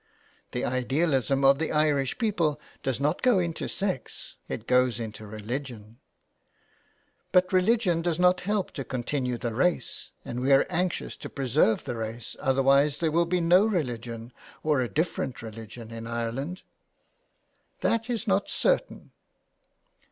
" The idealism of the Irish people does not go into sex, it goes into religion." 2IO JULIA CAHILL'S CURSE. " But religion does not help to continue the race, and we're anxious to preserve the race, otherwise there will be no religion, or a different religion in Ireland." " That is not certain."